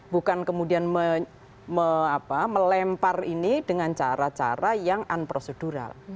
bukan kemudian melempar ini dengan cara cara yang unprocedural